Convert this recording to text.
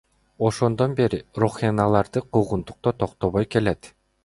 Ошондон бери рохиняларды куугунтуктоо токтобой келет.